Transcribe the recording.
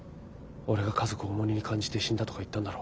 俺が家族を重荷に感じて死んだとか言ったんだろ。